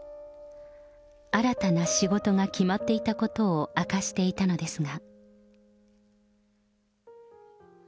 新たな仕事が決まっていたことを明かしていたのですが。